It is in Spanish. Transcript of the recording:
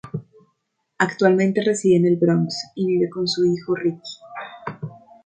Actualmente reside en el Bronx y vive con su hijo Ricky.